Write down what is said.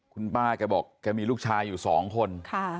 คุณป้าแกบอกแกมีลูกชายอยู่๒คน